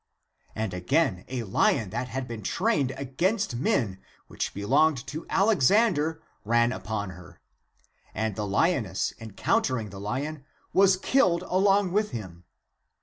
And again a lion that had been trained against men, which belonged to Alexander, ran upon her. And the lioness, encoun tering the lion, was killed along with him.